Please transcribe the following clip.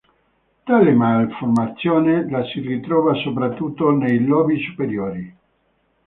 Tale malformazione la si ritrova soprattutto nei lobi superiori.